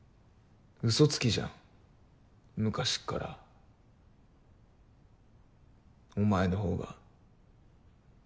うそつきじゃん昔っからお前のほうが。